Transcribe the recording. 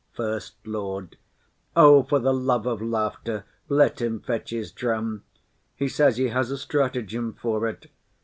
SECOND LORD. O, for the love of laughter, let him fetch his drum; he says he has a stratagem for't.